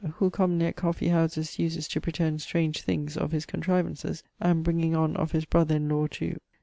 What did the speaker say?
who commonly at Coffee houses uses to pretend strange things, of his contrivances, and bringing on of his brother in lawe to